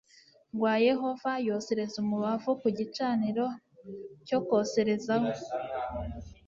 rwa Yehova yosereza umubavu ku gicaniro cyo koserezaho